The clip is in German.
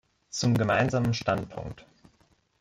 Zum Gemeinsamen Standpunkt.